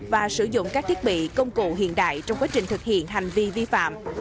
và sử dụng các thiết bị công cụ hiện đại trong quá trình thực hiện hành vi vi phạm